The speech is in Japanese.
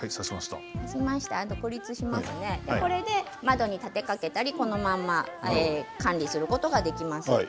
これで窓に立てかけたりこのまま管理することができます。